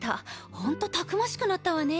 ほんとたくましくなったわね。